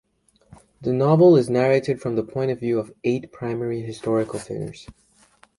The novel is narrated from the point of view of eight primary historical figures.